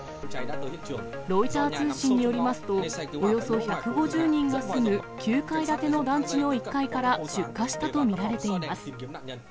ロイター通信によりますと、およそ１５０人が住む９階建ての団地の１階から出火したと見られています。